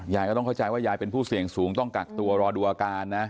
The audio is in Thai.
ยายก็ต้องเข้าใจว่ายายเป็นผู้เสี่ยงสูงต้องกักตัวรอดูอาการนะ